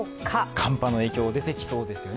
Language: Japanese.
寒波の影響、出てきそうですよね